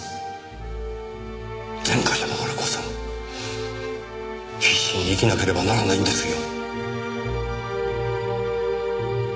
前科者だからこそ必死に生きなければならないんですよ。